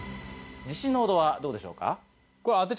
自信の程はどうでしょうか？